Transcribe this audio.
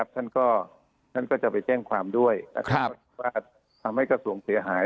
ท่านก็จะไปแจ้งความด้วยว่าทำให้กระทรวงเสียหาย